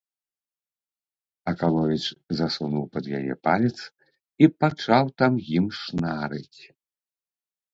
Акаловіч засунуў пад яе палец і пачаў там ім шнарыць.